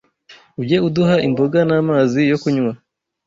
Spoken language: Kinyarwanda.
Ujye uduha imboga n’amazi yo kunywa